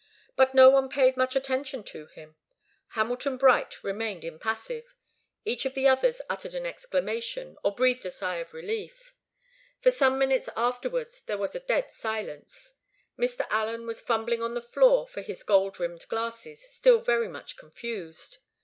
But no one paid much attention to him. Hamilton Bright remained impassive. Each of the others uttered an exclamation, or breathed a sigh of relief. For some minutes afterwards there was a dead silence. Mr. Allen was fumbling on the floor for his gold rimmed glasses, still very much confused.